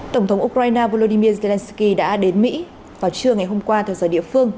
tổng thống ukraine volodymyr zelenskyy đã đến mỹ vào trưa ngày hôm qua thời gian địa phương